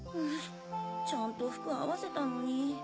ちゃんと服合わせたのに。